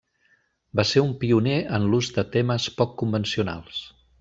Va ser un pioner en l'ús de temes poc convencionals.